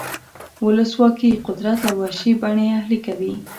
ولسواکي قدرت له وحشي بڼې اهلي کوي.